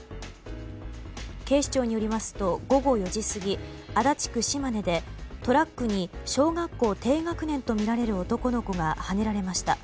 警視庁によりますと午後４時過ぎ足立区島根で、トラックに小学校低学年とみられる男の子がはねられました。